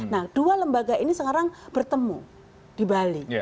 nah dua lembaga ini sekarang bertemu di bali